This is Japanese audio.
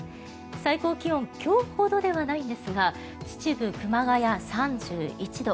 最高気温今日ほどではないんですが秩父、熊谷、３１度。